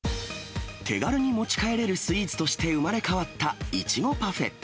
手軽に持ち帰れるスイーツとして生まれ変わったいちごパフェ。